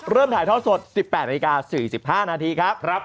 ถ่ายทอดสด๑๘นาฬิกา๔๕นาทีครับ